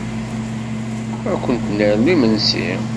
Ad kunt-nernu imensi?